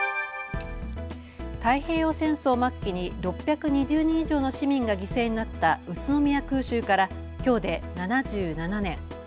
太平洋戦争末期に６２０人以上の市民が犠牲になった宇都宮空襲からきょうで７７年。